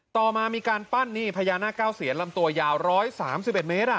ต่อมามีการปั้นนี่พญานาคเก้าเซียนลำตัวยาว๑๓๑เมตร